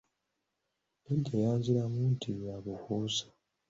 Jjajja yanziramu nti, bya bufuusa.